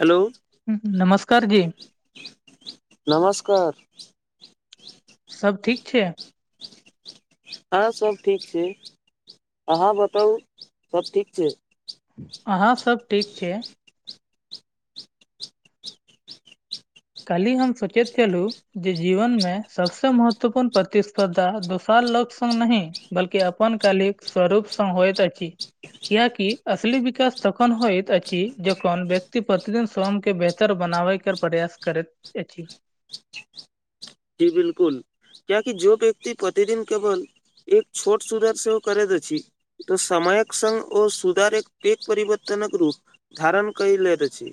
Hello नमस्कार जी नमस्कार सब ठीक छय हँ सब ठीक छय अहाँ बताउ सब ठीक छै आहाँ सब ठीक छी कालहि हम सोचैत केलहु जे जीवन में सबसे महत्वपूर्ण प्रतिस्पर्धा दोसाल लक्ष्य नय बलकि अपन कल स्वरूप स होयत अछि कआकि असली विकास तखन होइत अछि जखन व्यक्ति प्रतिदिन स्वयं के बेहतर बनाबै प्रयास करैत य जी बिलकुल कियाकि जो व्यक्ति प्रतिदिन केवल एक छोट शुरू सेहो करैत अछि तऽ समयक संग ओ सुधार एक प परवर्तनक रूप धारन कै लेत छी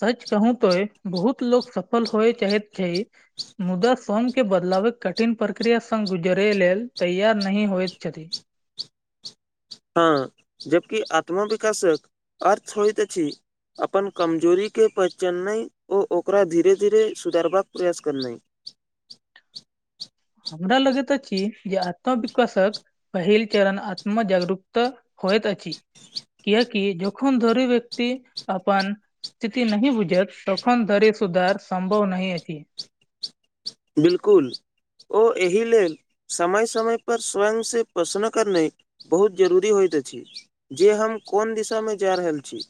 सच कहूँ तो बहुत लोको सफल होइ चाहैत छै मुदा सोमके बदलावक कठिन प्रक्रिया संग गुजरै लेल तैयार नहि होइत छथि हँ जबकि आत्मविकाशक अर्थ होइत अछि अपन कमजोरीके पहचननाइ ओ ओकरा धीरे धीरे सुधारबाक प्रयास करनाइ हमरा लगैत अछी जे आत्मवश्वासक पहिल चरण आत्मजागरुक्त होयत अछि। कएकि जन धरी व्यक्ति अपन स्थिति नह बुझैत तखन धरि सुधार सम्भव नह अछि। बिलकुल ओ एहि लेल समय समय पर स्वयं से पोसन करने बहुत जरूरी होइत अछि, जे हम कोन दिशामे जा रहल अछि।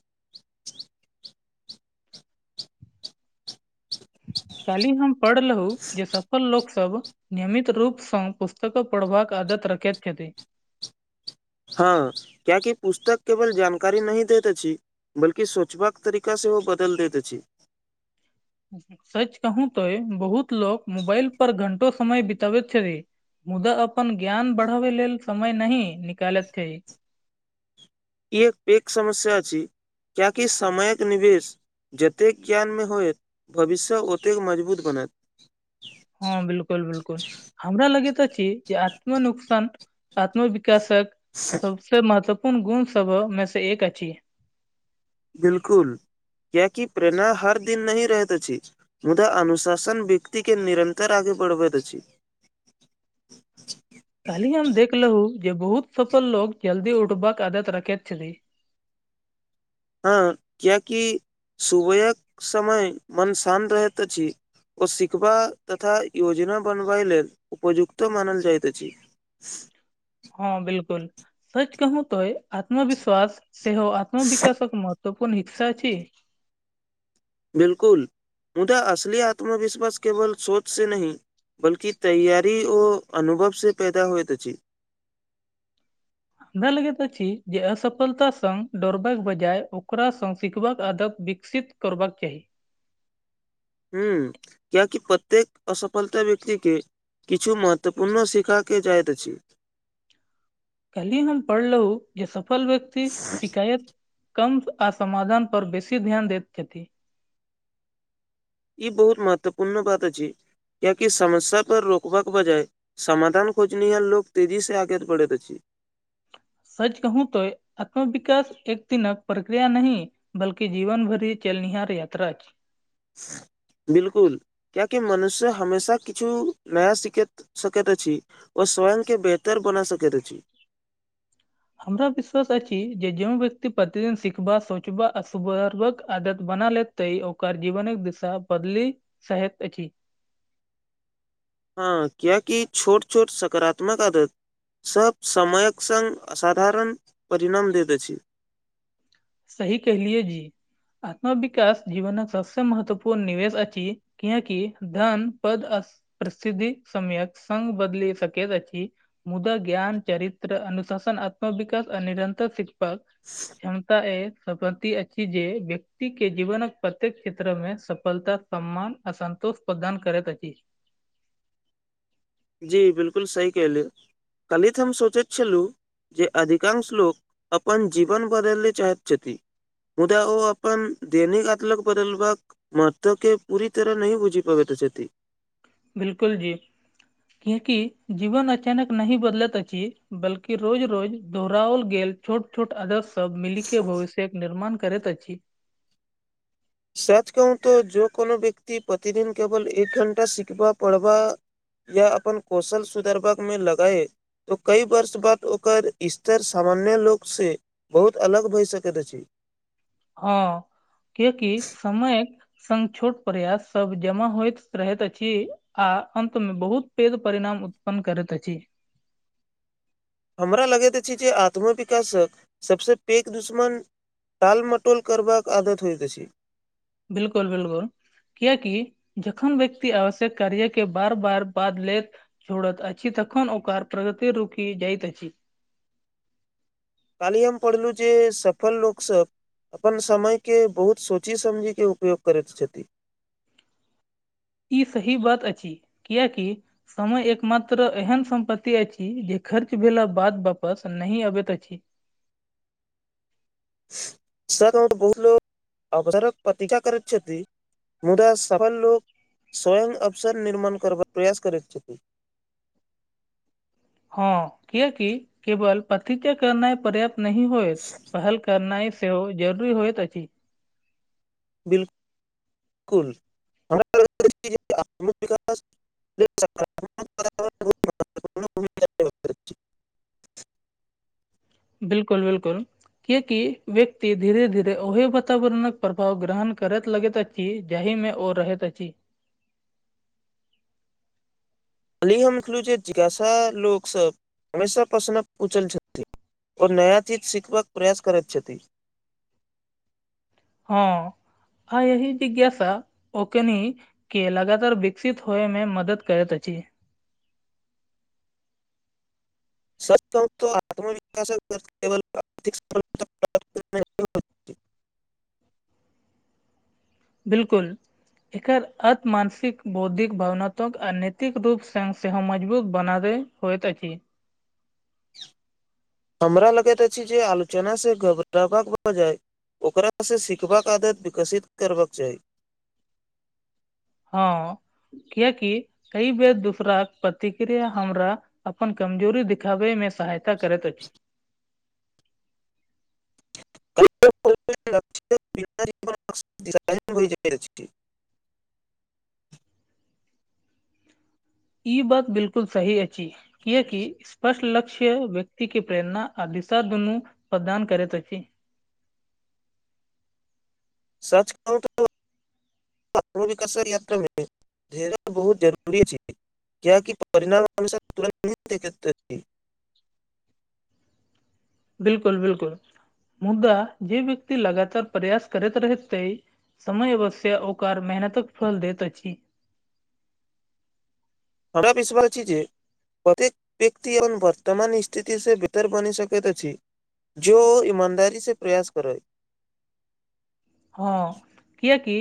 काली हम पढ़लहु जे सफल लोक सब नियमित रूपसँ पुस्तक पढ़बाक आदत रखैत छथि। हँ कियाकि पुस्तक केवल जानकारी नहि दैत अछि बल्कि सोचबाक तरीका सेहो बदलि दैत अछि। सच कहू तो बहुत लोक मोबाइल पर घंटो समय बितबैत छथी। मुदा अपन ज्ञान बढ़ावे लेल समय न निकालैत छैेय। ई एक पैक समस्या अछि कियाकि समयक निवेश जतेक ज्ञानमे होयत भविष्य ओतेक मजबूत बनत। हँ बिल्कुल बिलकुल। हमरा लगैतित अछि जे आत्म नुकसान आत्म विकासक सबसे महत्वपूर्ण गुण सबमे से एक अछि। बिलकुल कियाकि प्रेरणा हर दिन नही रहैत अछि। मुदा अनुशासन व्यक्ति के निरन्तर आगे बढ़बैत अछि। कायलहि हम देखलहु जे बहुत सफल लो जल्दी उठबाक आदत रखैत छलि। हँ कियाकि सुबहक समय मन शान्त रहैत अछि। ओ सिखबा तथा योजना बनबा लेल उपयुक्तो मानल जाइत अछि। [inaudible] हँ बिलकुल सच कहू तो आत्मविश्वास सेहो आत्म विकासक मत तऽ कोन रिक्सा छी? बिलकुल मुदा असली आत्मविश्वास केवल सोच से नहि बल्कि तैयारी ओ अनुभव से पैदा होएत अछि। हमरा लगैत अछि जे असफलता सग दोड़ बाक बजाय ओकरा सग सिखबाक आदत विकसित करबाक चाही। हूं किया कि प्रत्येक असफलता व्यकतिके किछु महत्वपूर्ण सीखा के जाइत अछि। कलही हम पडलहु जे सफल व्यक्ति सि शिकायत कम आ समाधान पर बेसी ध्यान देैत छथि। ई बहुत महत्व पूर्ण बात अछि कियाकि समस्या पर रोकबाक बजाय समाधान खोजनीहार लोक तेजी सेआगे पढ़ैत अछि। सच कहू त आत्मविकास एक दिन क प्रक्रिया नहि बल्की जीवन भरि चलनिहार यात्रा अछि। बिलकुल कियाकि मनुष्य हमेशा किछु नया सखैत सकैत अछि। ओ स्वयंके बेहतर बना सकैत अछि। हमरा विश्वास अछि जे ज्यों व्यक्ति प्रतिदिन सिखबा सोचबा आ सुारक आदत बना लेत ते ओकर जीवनक दिशा बदलि साहैत अछि। हँ कियाकी छोट छोट सकारात्मक आदत सभ समयक सङ्ग असाधारण परिणाम दैत अछि। सही कहलियै जी आत्मविकास जीवनक सबसे महत्वपूर्ण निवेश अछि। किआकी धन पद प्रसिद्धि समयत संघ बदल सक जा छी मुदा ज्ञान चरित्र अनुशासन आत्मविकास आ निरन्तर शिक्षक हं तए सम्पत्तति अछि जे व्यक्ति के जीवनक प्रत्येक क्षेत्र मे सफलता सम्मान असन्तोष प्रदान करैत अछि जी बिलकुल सही केहलिये कलहि तऽ हम सोचैत छलहुँ जे अधिकांश लोक अपन जीवन बदलले चाहैत छथि मुदा ओ अपन दैनिक आतलग बदलबाक मर्त के पूरी तरह नही बुझि पाबै तऽ सेठ बिलकुल जी क्याकि जीवन अचानक नही बदलत अछि बल्कि रोज रोज दोहराओल गेल छोट छोट अदस्य सब मिली के भविष्यक निर्माण करैत अछि सच कहुत जो कोनो व्यक्ति प्रतिदिन केवल एक घंटा सिखब पढ़ब या अपन कौशल सुधरबाक में लगाए तऽ कई वर्ष बाद ओकर स्तर सामान्य लोक से बहुत अलग भए सकैत अछि हं ककि समय सन छोट प्रयास सब जमा होइत रहैत अछि आ अन्त मे बहुत पेग परिणाम उत्पन्न करैत अछि हमरा लगैत अछि जे आत्मविकासक सभसँ पेघ दुश्मन टाल मटोल करबाक आदत होइत अछि बिलकुल बिलकुल कियकि जखन व्यक्ति आवश्यक कार्य के बार बार बाद लेत छोड़त अछी तखन ओकर प्रगति रुकि जाइत अछी काली हम पढ़लू जे सफल लोकसब अपन समय के बहुत सोचि समझि के उपयोग करैत छथिन ई सही बात अछि कियैकि समय एक मात्र एहन सम्पत्ति अछि जे खर्च भेला बाद वापस नहि अबैत अछि सर ग तऽ बहुत लो अवसारक प्रति्षा करैत छथि मुदा सफल लोक स्वयं अवसर निर्माण करबाक प्रयास करैत छथि हँ कियैकि केवल पतज् करना पर्याप्त नहि होयत पहल करनाइ सेहो जरूरी होयत अछि बिल्कुल कुल [inaudible] बिलकुल बिलकुल कियैकि व्यक्ति धीरे धीरे ओह वातावरणक प्रभाव ग्रहण करैत लगैत जाहि में ओ रहत अछि कालही हम छललहु जे जिज्ञासा लोक सब हमेशा पश्न पूछल छथि ओ नया चीज सिखबाक प्रयास करैत छथि हँ आ यही जिज्ञासा ओकनी के लगातार विकसित होए में मदद करैत अछि सच कहुं ता आत्मविकास आर्थिक [inaudible] नहि। बिलकुल एकर अत मानसिक बौद्धिक भावनात्मक आ नैतिक रूप संग सेहो मजबूत बनाबै होयत अछि [unintelligible] हमरा लगैत अछि जे आलोचना से घबरावक भऽ जाय ओकरा से सीखबाक आदत विकसित करबाक चाही हँ कियैकि कई बेर दूसराक प्रतिक्रिया हमरा अपन कमजोरी दिखाबे मे सहायता करत अछि छय [inaudible] ई बात बिलकुल सही अछि कियैकि स्पष्ट लक क्ष्य व्यक्ति के प्रेरणा आ दिशा दुनू प्रदान करैत अछि सच कहु - - तऽ [inaudible] [inaudible] बिलकुल बिलकुल मुदा जे व्यक्ति लगातार प्रयास करैत रहतते समय अवश्य ओकर मेहनतक फल देत अछि हमरा विश्वास छय जे प्रत्येक व्यक्ति ए वर्तमान स्थिति से बेतर बनि सकैत अछि जो ईमानदारी से प्रयास करय हँ किएकि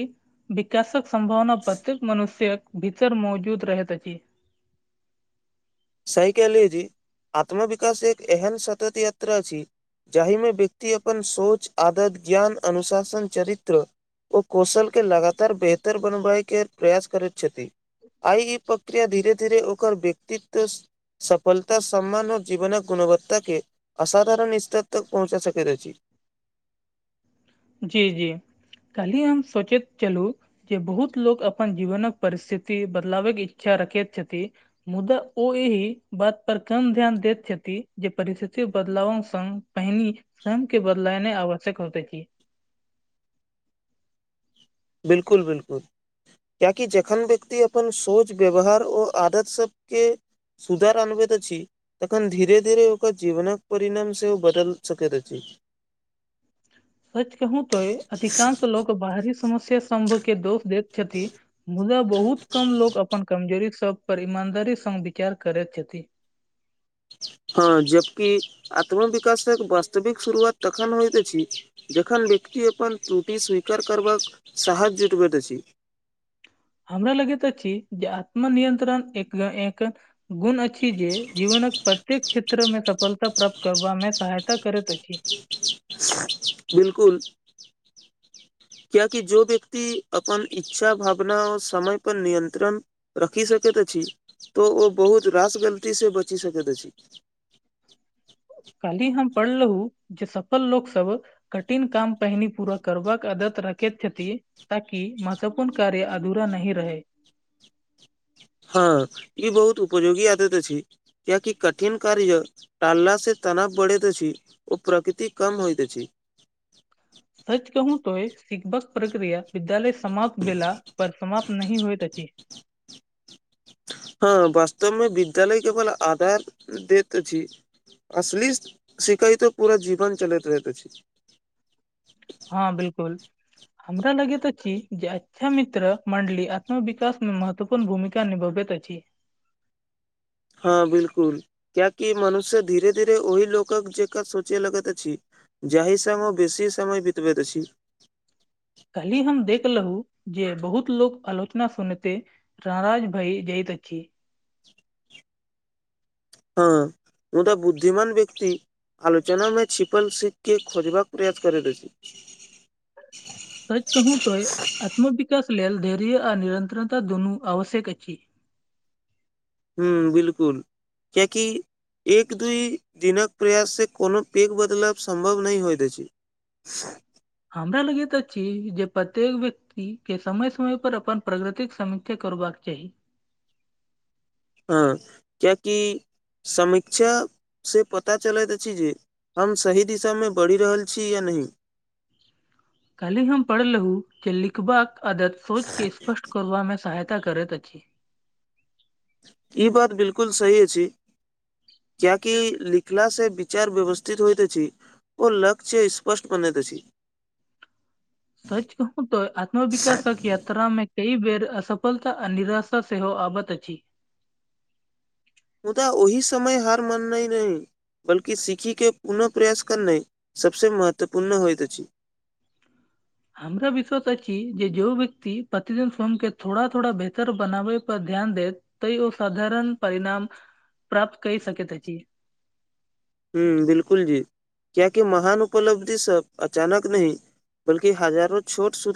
विकाशक सम्भावना प्रत्येक मनुष्य्यक भीतर मौजूद रहैत अछि साइकेलेज आत्मविकास एक एहन सतत यात्रा छी जाहि में व्यक्ति अपन सोच आदत ज्ञान अनुशासन चरित्र ओ कौशलके लगातार बेहतर बनबाए के प्रयास करैत छथि आइ ई प्रक्रिया धीरे धीरे ओकर व्यक्तित्व त सफलता सम्मान आऔर जीवनक गुणवत्ता के अबधारण स्थित तक पहुँचा सकैत छी जी जी कल्ही हम सोचैत चलू जे बहुत लोक अपन जीवनक परिस्थिति बदलावेके इच्छा रखैत छथिन मुदा ओ एहि बात पर कम ध्यान देत छथि जे परिस्थिति बदलाव संग पहनी सम के बदलाने आवश्यक होत अछि बिल्कुल बिल्कुल कियैकि जखन व्यक्ति अपन सोच व्यवहार ओ आदत सबके सुधार अनबेत अछि तखन धीरे धीरे ओकर जीवनक परिणाम सेहो बदल सकैत अछि सच कहूँ तो अधिकांश लोक बाहरी समस्या सम्भव के दोष दैत छथि मुदा बहुत कम लोक अपन कमजोरी सब पर ईमानदारी स विचार करैत छथि हँ जबकि आत्मविकासक वास्तविक शुरुआत तखन होइत अछि जखन व्यक्ति अपन त्रुटि स्वीकार करबाक साहस जुटबैत अछि हमरा लगैत अछि जे आत्मनियंत्रण एक एक गुण अछि जे जीवनक प्रत्येक क्षेत्र में सफलता प्राप्त करबामे सहायता करैत अछि ज बिल्कुल कियाकि जो व्यक्ति अपन इच्छा भावना आ समय पर नियन्त्रण रखि सकैत अछि तऽ ओ बहुत रास गलतीसँ बचि सकैत अछि कालहि हम पढ़लहु जे सफल लोक सब कठिन काम पहिनी पूरा करबाक आदत रखैत छथि ताकि महत्वपूर्ण कार्य अधूरा नहि रहे हँ ई बहुत उपयोगी आदत अछि कियाकि कठिन कार्य टालला से तनाव बढ़ैत छै ओ प्रकृति कम होइत छै सच कहू तो सिखबाक प्रक्रिया विद्यालय समाप्त भेला पर समाप्त नहि होएत अछि हँ वास्तवमे विद्यालय केवल आधार देत अछि असली सिखैय तो पूरा जीवन चलैत रहैत अछि हँ बिल्कुल हमरा लगेैत अछि जे अच्छा मित्र मंडली आत्म विकास मे महत्व पूर्ण भूमिका निभबैत अछि हँ बिलकुल कियाकि मनुष्य धीरे - धीरे ओहि लोकक जेका सोचय लगैत अछि जाहि सबमे बेसी समय बितबैत अछि काल्हि हम देखलहुँ जे बहुत लोको आलोचना सुनते नराज भइ जाइत अछि हँ मुदा बुद्धिमान व्यक्ति आलोचना मे छिपल सीख के खोजबाक प्रयास करैत अछि। सच कहूँ तोय आत्मविकास लेल धैर्य आ निरन्तरता दुनू आवश्यक अछि हूँ बिलकुल कियकि एक दू दिनक प्रयाससँ कोनो पैघ बदलाव सम्भव नहि होइत अछि [inaudible] हमरा लगैतऽ अछि जे प्रत्येक व्यक्ति के समय समय पर अपन प्रगतिक के समीक्षा करबाक चाही हँ क्याकि समीक्षा से पता चलैत अछि जे हम सही दिशामे बढ़ि रहल छी या नहि काल्हि हम पढ़लहूँ की लिखबाक आदत सोचकेँ स्पष्ट करबामे सहायता करैत अछि ई बात बिल्कुल सही अछि कियाकि लिखला से विचार व्यवस्थित होइत अछि ओ लक्ष्य स्पष्ट बनैत अछि सच कहूँ तऽ आत्मविकासक यात्रामे कई बेर असफलता आ निराशा सेहो आबैत अछि मुदाऽ ओहि समय हार मान नाइ नहि बल्कि सीखिक के पुनः प्रयास करनाइ सबसे महत्वपूर्ण होइत अछि हमरा विश्वास अछि जे जो व्यक्ति प्रतिदिन स्वयं के थोड़ा थोड़ा बेहतर बनाबय पर ध्यान देत तऽ ओ साधारण परिणाम प्राप्त कै सकैत अछि हुँ बिलकुल जी कियाकि महान उपलब्धि सब अचानक नहि बल्कि हजारो छोट सु